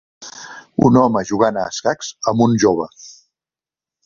Un home jugant a escacs amb un jove.